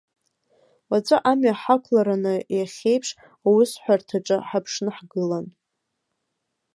Уаҵәы амҩа ҳақәлараны иахьеиԥш аусҳәарҭаҿы ҳаԥшны ҳгылан.